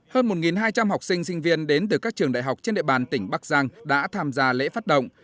hơn một hai trăm linh học sinh sinh viên đến từ các trường đại học trên địa bàn tỉnh bắc giang đã tham gia lễ phát động